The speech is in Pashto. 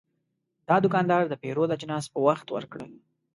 دا دوکاندار د پیرود اجناس په وخت ورکړل.